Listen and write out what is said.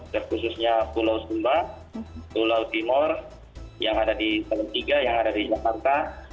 dan khususnya pulau sumba pulau timur yang ada di teluk tiga yang ada di jakarta